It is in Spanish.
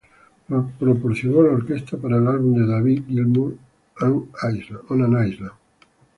Proporcionó la orquestación para el álbum de David Gilmour, "On An Island".